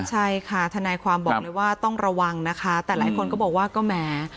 ใช่ค่ะทนายความบอกเลยว่าต้องระวังนะคะแต่หลายคนก็บอกว่าก็แหม